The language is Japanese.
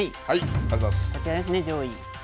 こちらですね、上位。